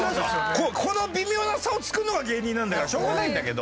この微妙な差を突くのが芸人なんだからしょうがないんだけど。